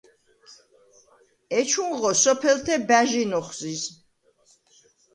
ეჩუნღო სოფელთე ბა̈ჟინ ოხვზიზ.